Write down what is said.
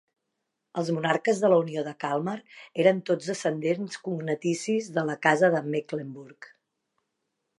Els monarques de la unió de Kalmar eren tots descendents cognaticis de la casa de Mecklenburg.